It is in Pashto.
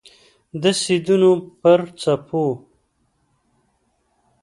د سیندونو پر څپو